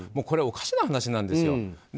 これ、おかしな話なんですよ。